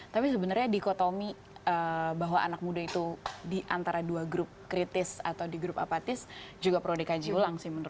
tapi sebenarnya dikotomi bahwa anak muda itu di antara dua grup kritis atau di grup apatis juga perlu dikaji ulang